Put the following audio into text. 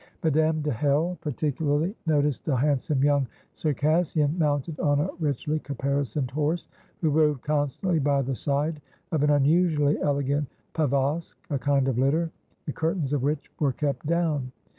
Madame de Hell particularly noticed a handsome young Circassian, mounted on a richly caparisoned horse, who rode constantly by the side of an unusually elegant pavosk (a kind of litter), the curtains of which were kept down.